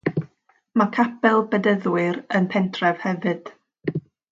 Mae Capel Bedyddwyr yn y pentref hefyd.